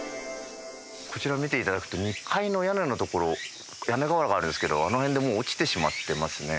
こちら見ていただくと２階の屋根のところ屋根瓦があるんですけどあの辺でもう落ちてしまってますね。